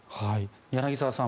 柳澤さん